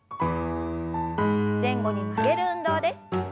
前後に曲げる運動です。